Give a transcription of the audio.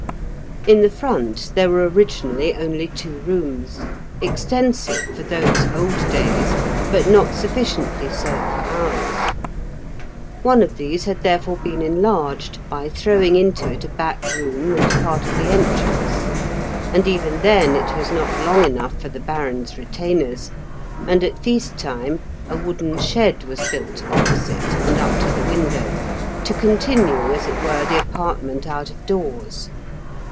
In the front there were originally only two rooms, extensive for those old days, but not sufficiently so for ours. One of these had therefore been enlarged, by throwing into it a back room and part of the entrance, and even then it was not long enough for the Baron's retainers, and at feast time a wooden shed was built opposite, and up to the window, to continue, as it were, the apartment out of doors.